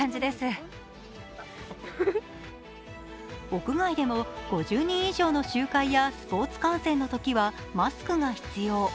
屋外でも５０人以上の集会やスポーツ観戦のときはマスクが必要。